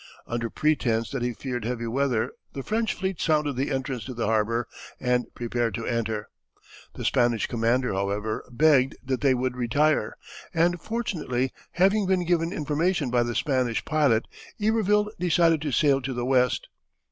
Under pretence that he feared heavy weather the French fleet sounded the entrance to the harbor and prepared to enter. The Spanish commander, however, begged that they would retire, and fortunately having been given information by the Spanish pilot, Iberville decided to sail to the west.